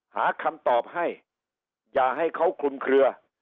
หาคำตอบให้อย่าให้เขาคลุมเคลือ